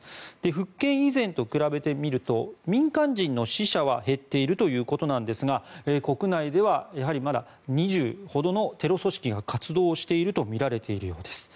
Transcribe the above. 復権以前と比べてみると民間人の死者は減っているということなんですが国内では、やはりまだ２０ほどのテロ組織が活動しているとみられているようです。